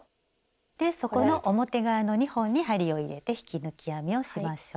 でそこの表側の２本に針を入れて引き抜き編みをしましょう。